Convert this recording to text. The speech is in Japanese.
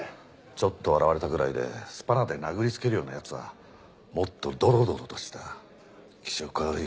ちょっと笑われたぐらいでスパナで殴りつけるような奴はもっとドロドロとした気色悪い感じがあるだろ。